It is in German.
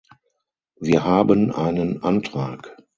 Wir haben einen Antrag.